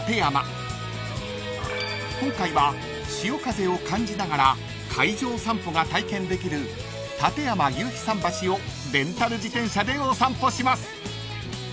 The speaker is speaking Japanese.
［今回は潮風を感じながら海上散歩が体験できる館山夕日桟橋をレンタル自転車でお散歩します］